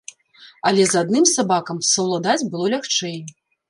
Але з адным сабакам саўладаць было лягчэй.